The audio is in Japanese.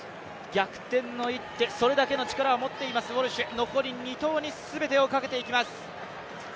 逆転の一手、それだけは持っています、残り２投に全てを懸けていきます。